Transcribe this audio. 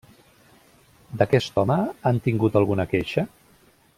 D'aquest home, han tingut alguna queixa?